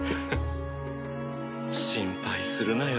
心配するなよ